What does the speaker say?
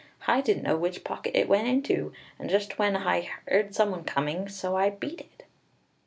Hi didn't know which pocket it went into, and just then Hi 'eard some one coming, so Hi beat it."